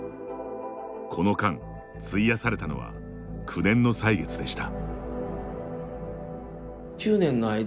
この間、費やされたのは９年の歳月でした。